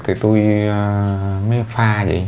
thì tôi mới pha vậy